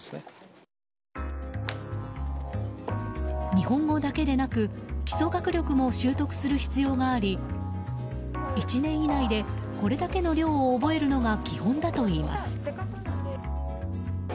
日本語だけでなく基礎学力も習得する必要があり１年以内でこれだけの量を覚えるのが基本だといいます。